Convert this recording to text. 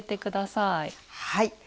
はい。